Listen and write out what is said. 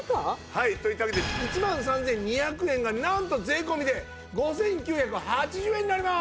はいといったわけで１万３２００円がなんと税込で５９８０円になります。